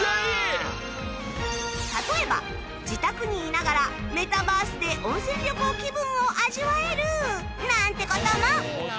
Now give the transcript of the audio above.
例えば自宅にいながらメタバースで温泉旅行気分を味わえるなんて事も